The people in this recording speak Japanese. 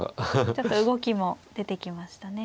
ちょっと動きも出てきましたね。